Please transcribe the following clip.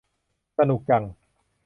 สนุกจัง